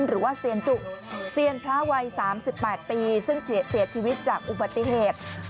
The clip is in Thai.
หรือว่าเซียนจุเซียนพระวัย๓๘ปีซึ่งเสียชีวิตจากอุบัติเหตุ